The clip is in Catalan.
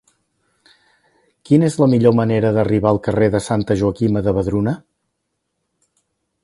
Quina és la millor manera d'arribar al carrer de Santa Joaquima de Vedruna?